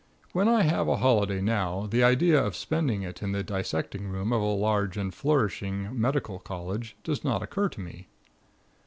When I have a holiday now, the idea of spending it in the dissecting room of a large and flourishing medical college does not occur to me.